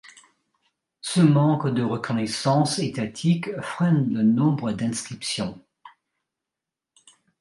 Ce manque de reconnaissance étatique freine le nombre d'inscriptions.